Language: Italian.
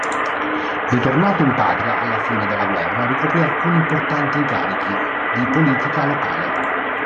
Ritornato in patria alla fine della guerra, ricoprì alcuni importanti incarichi di politica locale.